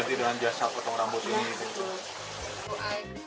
ganti dengan jasal potong rambut ini